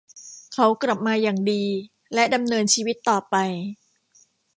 เขากลับมาอย่างดีและดำเนินชีวิตต่อไป